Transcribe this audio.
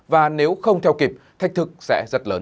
và nếu không theo kịp thách thức sẽ rất lớn